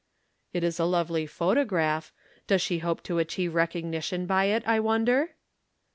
"It is a lovely photograph. Does she hope to achieve recognition by it, I wonder?"